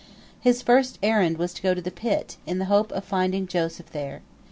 His first errand was to go to the pit, in the hope of finding Joseph there.